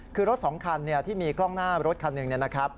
คือรถสองคันที่มีกล้องหน้ารถคันหนึ่งนะครับ